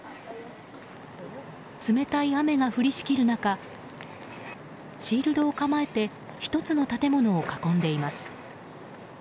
冷たい雨が降りしきる中シールドを構えて１つの建物を囲んでいます。